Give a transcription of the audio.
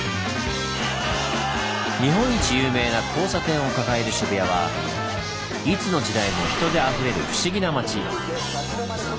日本一有名な交差点を抱える渋谷はいつの時代も人であふれる不思議な街。